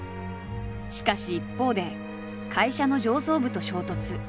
しかし一方で会社の上層部と衝突。